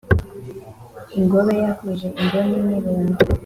ingobe yahuje imboni n’irugu.